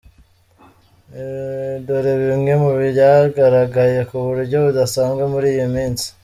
I. Dore bimwe mu byagaragaye ku buryo budasanzwe muri iyi minsi :